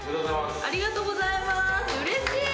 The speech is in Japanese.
ありがとうございます。